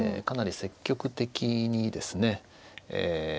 かなり積極的にですね